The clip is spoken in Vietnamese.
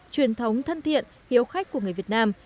truyền thống thân thiện hiếu khách của người việt nam